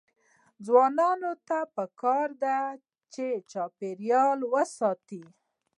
ځوانانو ته پکار ده چې، چاپیریال وساتي.